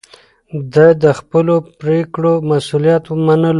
ده د خپلو پرېکړو مسووليت منلو.